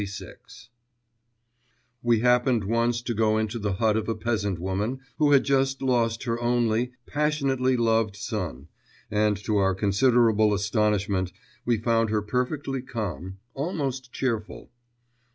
XXVI We happened once to go into the hut of a peasant woman who had just lost her only, passionately loved son, and to our considerable astonishment we found her perfectly calm, almost cheerful.